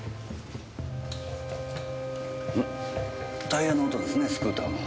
タイヤの跡ですねスクーターの。